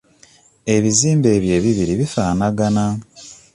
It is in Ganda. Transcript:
Ebizimbe ebyo ebibiri bifaanagana.